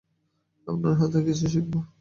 আপনার থেকে কিছু শিখবেও।